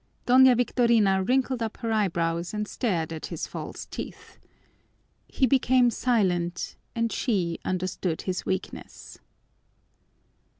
Doña Victorina wrinkled up her eyebrows and stared at his false teeth. He became silent, and she understood his weakness.